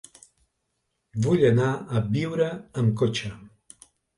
Vull anar a Biure amb cotxe.